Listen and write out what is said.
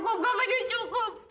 cukup kak fadlil cukup